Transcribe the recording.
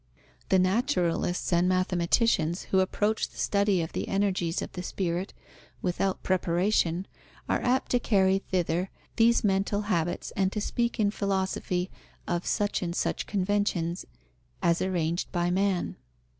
The naturalists and mathematicians who approach the study of the energies of the spirit without preparation, are apt to carry thither these mental habits and to speak, in philosophy, of such and such conventions "as arranged by man."